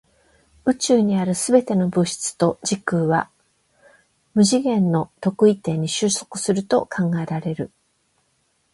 宇宙にある全ての物質と時空は無次元の特異点に収束すると考えられる。